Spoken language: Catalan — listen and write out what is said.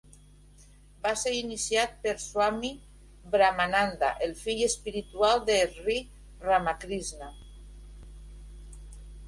Va ser iniciat per Swami Brahmananda, el fill espiritual de Sri Ramakrishna.